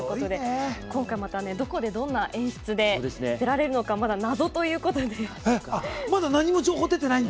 今回、またどこでどんな演出で出られるのかまだ謎ということで。